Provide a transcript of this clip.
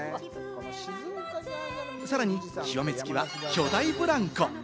さらに極め付きは巨大ブランコ。